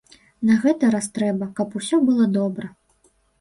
На гэты раз трэба, каб усё было добра.